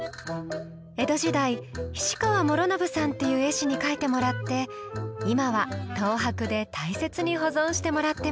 江戸時代菱川師宣さんっていう絵師に描いてもらって今は東博で大切に保存してもらってます。